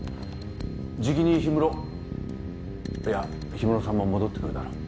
直に火室いや火室さんも戻ってくるだろう。